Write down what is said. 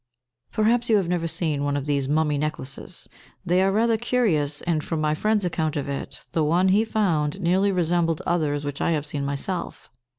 Perhaps you have never seen one of these mummy necklaces; they are rather curious, and, from my friend's account of it, the one he found nearly resembled others which I have seen myself.